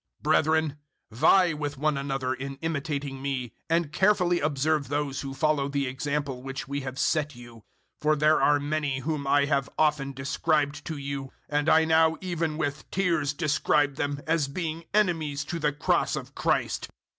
003:017 Brethren, vie with one another in imitating me, and carefully observe those who follow the example which we have set you. 003:018 For there are many whom I have often described to you, and I now even with tears describe them, as being enemies to the Cross of Christ.